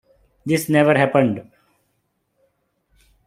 This never happened.